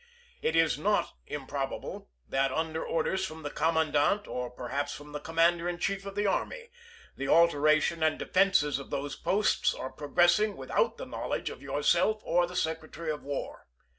It is not improbable that, under orders from the Com mandant, or perhaps from the Commander in Chief of the Arnry, the alteration and defenses of those posts are progressing without the knowledge of yourself or the Secretary of "War.